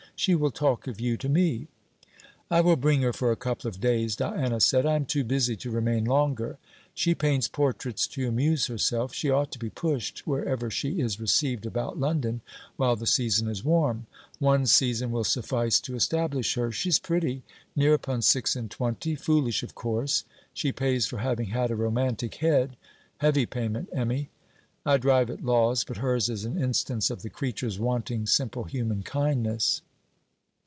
She will talk of you to me.' 'I will bring her for a couple of days,' Diana said. 'I am too busy to remain longer. She paints portraits to amuse herself. She ought to be pushed, wherever she is received about London, while the season is warm. One season will suffice to establish her. She is pretty, near upon six and twenty: foolish, of course: she pays for having had a romantic head. Heavy payment, Emmy! I drive at laws, but hers is an instance of the creatures wanting simple human kindness.'